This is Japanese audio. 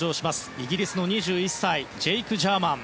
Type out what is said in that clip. イギリスの２１歳ジェイク・ジャーマン。